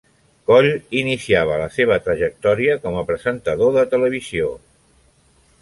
Coll iniciava la seva trajectòria com a presentador de televisió.